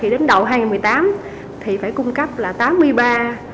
đến đầu năm hai nghìn một mươi tám phải cung cấp tám mươi ba mba